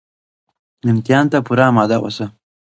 امتحان ته پوره اماده اوسه